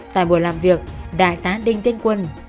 tại buổi làm việc đại tá đinh tiên quân